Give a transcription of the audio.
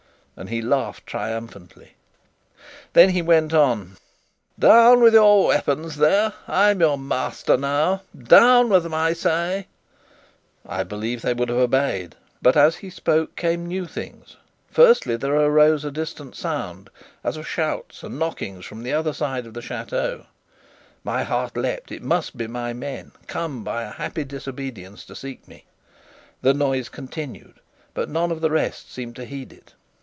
and he laughed triumphantly. Then he went on: "Down with your weapons there! I'm your master now! Down with them, I say!" I believe they would have obeyed, but as he spoke came new things. First, there arose a distant sound, as of shouts and knockings from the other side of the chateau. My heart leapt. It must be my men, come by a happy disobedience to seek me. The noise continued, but none of the rest seemed to heed it.